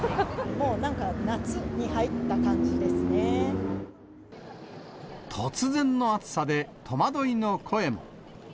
もうなんか夏に入った感じで突然の暑さで戸惑いの声も。